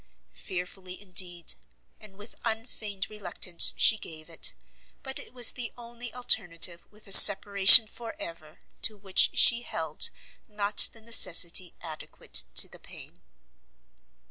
Fearfully, indeed, and with unfeigned reluctance she gave it, but it was the only alternative with a separation for ever, to which she held not the necessity adequate to the pain.